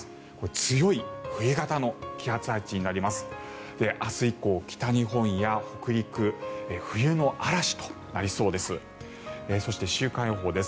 強い冬型の気圧配置になります。